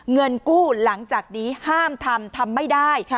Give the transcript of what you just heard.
เงินกู้หลังจากนี้ห้ามทำทำไม่ได้